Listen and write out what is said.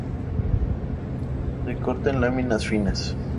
Se corta en láminas finas.